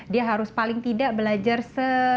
dia harus paling tidak belajar se dua